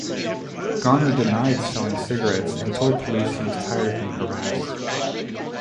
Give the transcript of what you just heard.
Garner denied selling cigarettes and told police he was tired of being harassed.